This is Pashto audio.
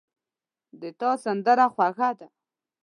د تا سندره خوږه ده